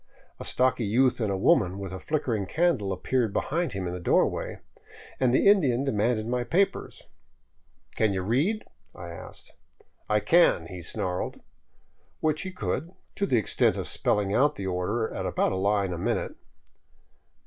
A stocky youth and a woman with a flickering candle appeared behind him in the doorway, and the Indian demanded my papers. " Can you read ?" I asked. " I can," he snarled ; which he could, to the extent of spelling out the order at about a line a minute.